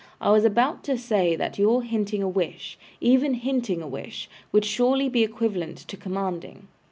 I was about to say that your hinting a wish, even hinting a wish, would surely be equivalent to commanding.